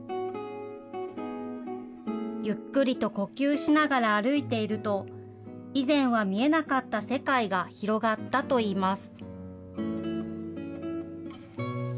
ゆっくりと呼吸しながら歩いていると、以前は見えなかった世界が広がったといいます。